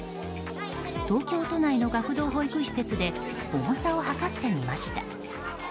東京都内の学童保育施設で重さを量ってみました。